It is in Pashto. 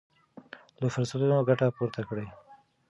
له فرصتونو ګټه پورته کړئ.